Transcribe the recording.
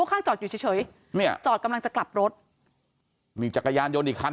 ข้างจอดอยู่เฉยจอดกำลังจะกลับรถมีจักรยานโยนอีกครั้ง